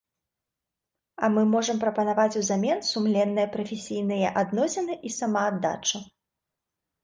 А мы можам прапанаваць узамен сумленныя прафесійныя адносіны і самааддачу.